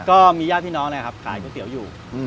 ก็มีญาติพี่น้องนะครับขายก๋วยเตี๋ยวอยู่